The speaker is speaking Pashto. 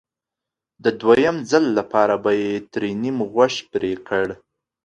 د دویم ځل لپاره به یې ترې نیم غوږ پرې کړ